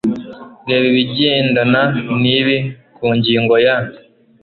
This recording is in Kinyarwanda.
Reba ibigendana nibi ku ngingo ya